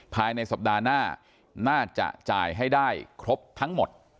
ภายในสัปดาห์หน้าน่าจะจ่ายให้ได้ครบทั้งหมด